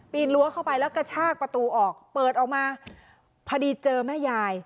รั้วเข้าไปแล้วกระชากประตูออกเปิดออกมาพอดีเจอแม่ยาย